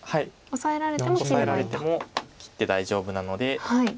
オサえられても切って大丈夫なので。